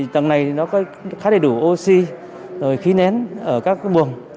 tầng này có khá đầy đủ oxy khí nén ở các bường